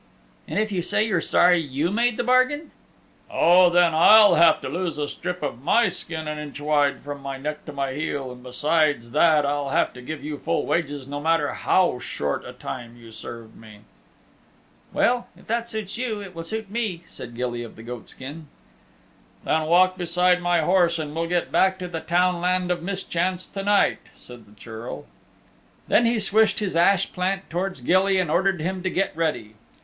'" "And if you say you're sorry you made the bargain?" "Oh, then I'll have to lose a strip of my skin an inch wide from my neck to my heel, and besides that I'll have to give you full wages no matter how short a time you served me." "Well, if that suits you it will suit me," said Gilly of the Goatskin. "Then walk beside my horse and we'll get back to the Townland of Mischance to night," said the Churl. Then he swished his ash plant towards Gilly and ordered him to get ready.